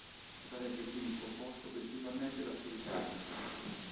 Sarebbe quindi composto principalmente da silicati.